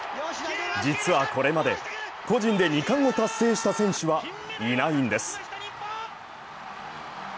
実はこれまで、個人で２冠を達成した選手はいないんです。